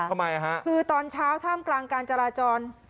ทำไมฮะคือตอนเช้าท่ามกลางการจราจร